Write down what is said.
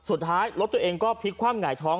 สุดท้ายรถตัวเองก็พลิกความหงายท้อง